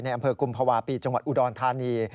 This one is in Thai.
อำเภอกุมภาวะปีจังหวัดอุดรธานี